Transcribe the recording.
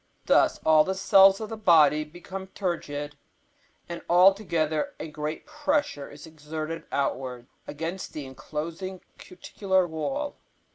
Thus all the cells of the body become turgid, and altogether a great pressure is exerted outwards against the enclosing cuticular wall.